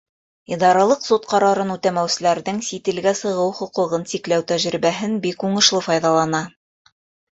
Идаралыҡ суд ҡарарын үтәмәүселәрҙең сит илгә сығыу хоҡуғын сикләү тәжрибәһен бик уңышлы файҙалана.